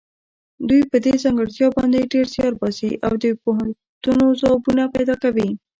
دوی په دې ځانګړتیا باندې ډېر زیار باسي او د پوښتنو ځوابونه پیدا کوي.